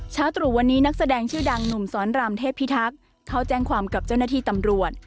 ตรู่วันนี้นักแสดงชื่อดังหนุ่มสอนรามเทพิทักษ์เขาแจ้งความกับเจ้าหน้าที่ตำรวจ